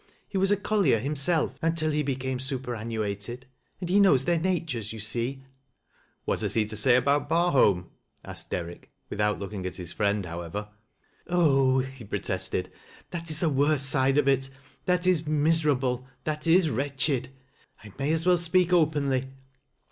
He was a collier himself until he became siperaruuatod, and he knows their natures, you see." " What has he to say about Barholm ?" asked Derriel — Rnthout looking at his friend, however. " Oh !" he protested, " that is the worst side of it — thai is miserable — that is wretched ! I may as well speak openly.